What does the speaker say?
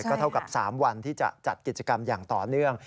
ก็เท่ากับ๓วันที่จะจัดกิจกรรมอย่างต่อเนื่อง